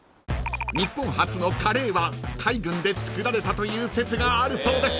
［日本初のカレーは海軍で作られたという説があるそうです］